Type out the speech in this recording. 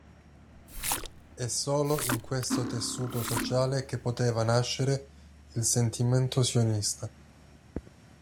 È solo in questo tessuto sociale che poteva nascere il sentimento sionista.